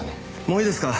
もういいですか？